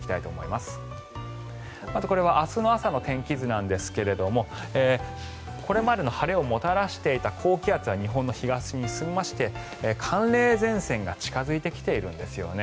まずこれは明日朝の天気図なんですがこれまでの晴れをもたらしていた高気圧は日本の東に進みまして寒冷前線が近付いてきているんですよね。